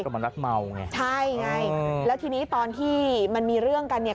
ก็มันรักเมาไงใช่ไงแล้วทีนี้ตอนที่มันมีเรื่องกันเนี่ย